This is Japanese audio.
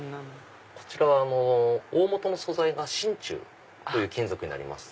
こちらは大本の素材が真ちゅうという金属になります。